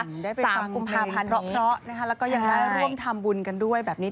สามกุมภาพันธ์เพราะนะคะแล้วก็ยังได้ร่วมทำบุญกันด้วยแบบนี้